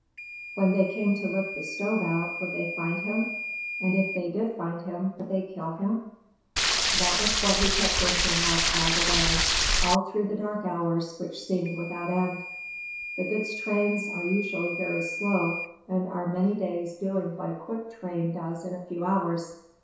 When they came to lift the stove out, would they find him? and if they did find him, would they kill him? That was what he kept thinking of all the way, all through the dark hours, which seemed without end. The goods trains are usually very slow, and are many days doing what a quick train does in a few hours.